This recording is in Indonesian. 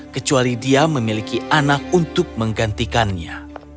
kecuali dia memiliki anak untuk menggantikannya